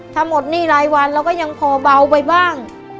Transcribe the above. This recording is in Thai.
ถ้าหมดหนี้รายวันเราก็ยังพอเบาไปบ้าง